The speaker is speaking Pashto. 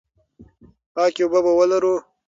پاکې اوبه به ولرو.